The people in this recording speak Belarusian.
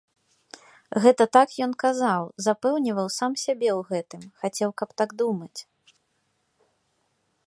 Гэта так ён казаў, запэўніваў сам сябе ў гэтым, хацеў, каб так думаць.